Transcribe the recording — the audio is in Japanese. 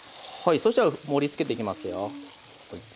そしたら盛りつけていきますよ。